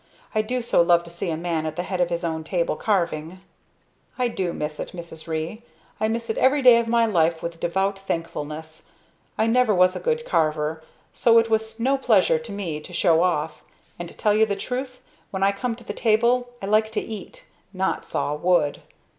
"I do so love to see a man at the head of his own table, carving." "I do miss it, Mrs. Ree. I miss it every day of my life with devout thankfulness. I never was a good carver, so it was no pleasure to me to show off; and to tell you the truth, when I come to the table, I like to eat not saw wood."